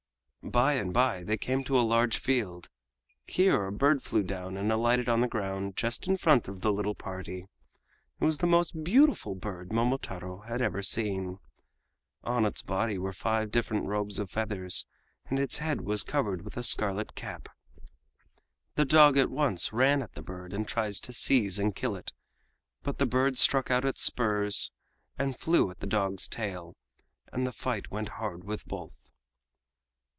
By and by they came to a large field. Here a bird flew down and alighted on the ground just in front of the little party. It was the most beautiful bird Momotaro had ever seen. On its body were five different robes of feathers and its head was covered with a scarlet cap. The dog at once ran at the bird and tried to seize and kill it. But the bird struck out its spurs and flew at the dog's tail, and the fight went hard with both.